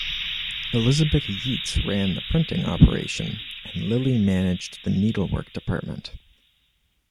Elizabeth Yeats ran the printing operation, and Lily managed the needlework department.